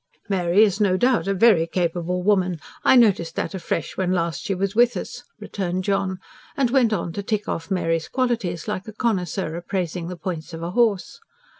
"Mary is no doubt a very capable woman; I noticed that afresh, when last she was with us," returned John; and went on to tick off Mary's qualities like a connoisseur appraising the points of a horse.